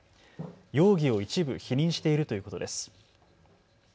容疑を一部、否認しているということです。